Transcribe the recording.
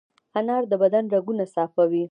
انار د بدن رګونه صفا کوي.